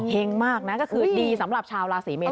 มากนะก็คือดีสำหรับชาวราศีเม